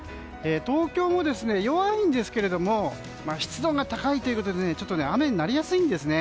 東京も、弱いんですけれども湿度が高いということで雨になりやすいんですね。